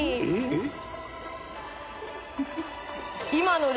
「えっ？」